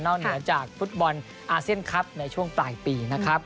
เหนือจากฟุตบอลอาเซียนคลับในช่วงปลายปีนะครับ